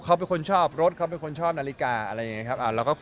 เขาเป็นคนชอบไปนาฬิกา